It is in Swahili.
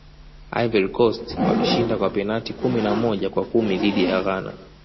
ivory coast walishinda kwa penati kumi na moja kwa kumi dhidi ya ghana